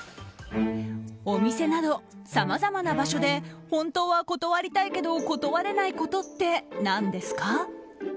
お店など、さまざまな場所で本当は断りたいけど断れないことって何ですか？